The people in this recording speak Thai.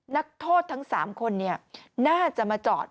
นักโทษทั้ง๓คนน่าจะมาจอด